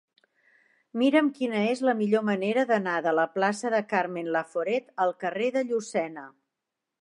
Mira'm quina és la millor manera d'anar de la plaça de Carmen Laforet al carrer de Llucena.